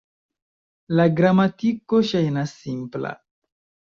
La gramatiko ŝajnas simpla.